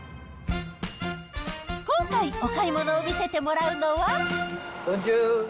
今回、お買い物を見せてもらうのは。